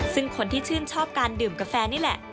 ซึ่งคนที่ชื่นชอบการดื่มกาแฟนี่แหละ